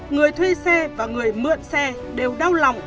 người thuê xe và người mượn xe đều đau lòng